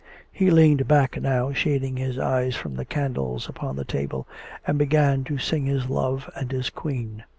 He leaned back now, shading his eyes from the candles upon the table, and began to sing his love and his queen.